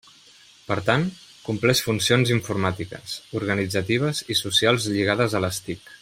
Per tant, compleix funcions informàtiques, organitzatives i socials lligades a les TIC.